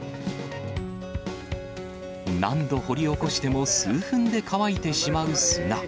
何度掘り起こしても数分で乾いてしまう砂。